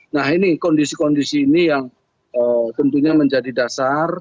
nah ini kondisi kondisi ini yang tentunya menjadi dasar